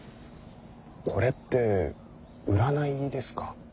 これって占いですか。